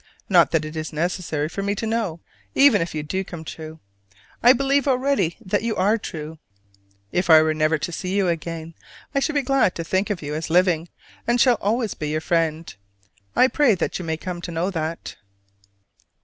Not that it is necessary for me to know even if you do come true. I believe already that you are true. If I were never to see you again I should be glad to think of you as living, and shall always be your friend. I pray that you may come to know that.